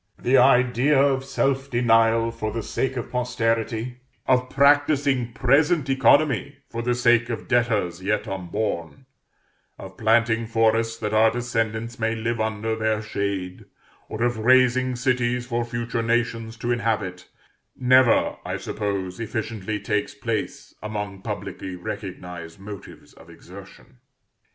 The idea of self denial for the sake of posterity, of practising present economy for the sake of debtors yet unborn, of planting forests that our descendants may live under their shade, or of raising cities for future nations to inhabit, never, I suppose, efficiently takes place among publicly recognised motives of exertion.